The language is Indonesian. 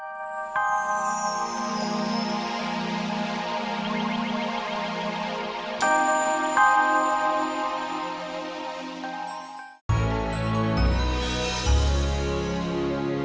jadi kita harus berharga